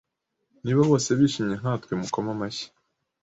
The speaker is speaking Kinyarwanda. Niba bose bishimye nkatwe mukome amashyi